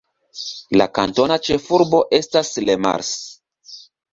La kantona ĉefurbo estas Le Mars.